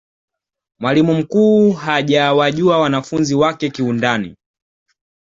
mwalimu mkuu hajawajua wanafunzi wake kiundani